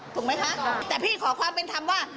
ถูกไหมคะแต่พี่ขอความเป็นธรรมว่า